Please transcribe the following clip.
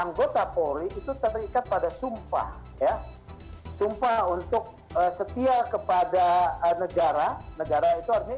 anggota polri itu terikat pada sumpah ya sumpah untuk setia kepada negara negara itu artinya